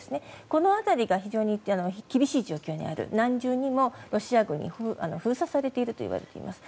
この辺りが非常に厳しい状況にある何重にもロシア軍に封鎖されているといわれています。